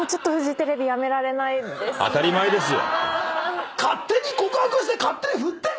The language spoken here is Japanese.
当たり前ですよ。